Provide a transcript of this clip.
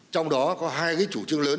trong đó có hai chủ trương lớn